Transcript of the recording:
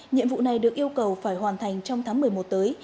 nhiệm vụ này được yêu cầu phải hoàn thành trong tháng một mươi một tới